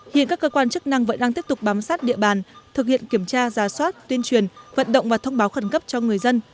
hiện các cơ quan chức năng vẫn đang tiếp tục bám sát địa bàn thực hiện kiểm tra giả soát tuyên truyền vận động và thông báo khẩn cấp cho người dân